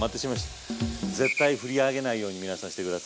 絶対振り上げないように皆さんしてください。